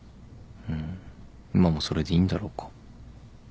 ん今もそれでいいんだろうか。